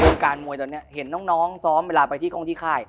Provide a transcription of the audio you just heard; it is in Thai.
การมวยตอนนี้เห็นน้องซ้อมเวลาไปที่กล้องที่ค่าย